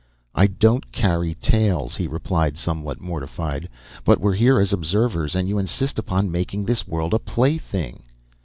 "I don't carry tales," he replied, somewhat mortified. "But we're here as observers, and you insist upon making this world a plaything